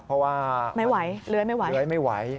เพราะว่าไม่ไหวเล้ยไม่ไหว